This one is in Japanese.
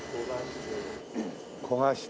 焦がして。